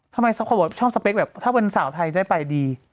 ท่าไมเค้าบอกพี่ชอบสเปคแบบถ้าเป็นสาวไทยจะได้ไปดี